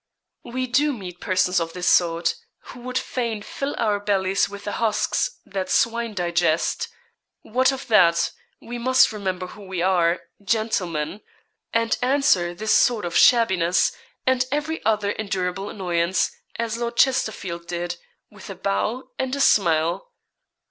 We do meet persons of this sort, who would fain 'fill our bellies with the husks' that swine digest; what of that we must remember who we are gentlemen and answer this sort of shabbiness, and every other endurable annoyance, as Lord Chesterfield did with a bow and a smile.